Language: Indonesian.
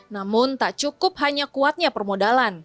namun tak cukup hanya kuatnya permodalan